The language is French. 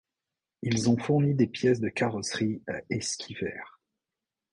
Ils ont fourni des pièces de carrosserie à Esquiver.